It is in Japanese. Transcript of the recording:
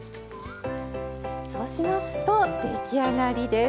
そうしますと出来上がりです。